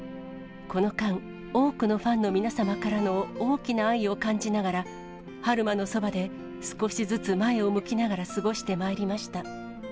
この間、多くのファンの皆様からの大きな愛を感じながら、春馬のそばで少しずつ前を向きながら過ごしてまいりました。